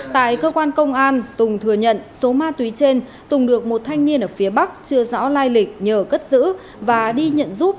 tại cơ quan công an tùng thừa nhận số ma túy trên tùng được một thanh niên ở phía bắc chưa rõ lai lịch nhờ cất giữ và đi nhận giúp